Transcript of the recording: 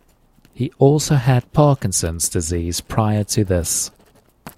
He also had Parkinson's disease prior to this.